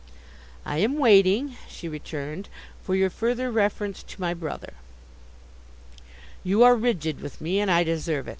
'I am waiting,' she returned, 'for your further reference to my brother.' 'You are rigid with me, and I deserve it.